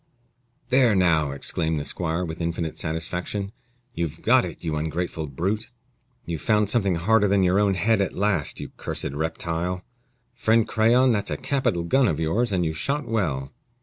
"There, now," exclaimed the squire, with infinite satisfaction, "you've got it, you ungrateful brute! You've found something harder than your own head at last, you cursed reptile! Friend Crayon, that's a capital gun of yours, and you shot well."